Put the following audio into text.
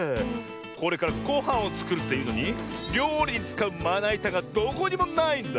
これからごはんをつくるっていうのにりょうりにつかうまないたがどこにもないんだ。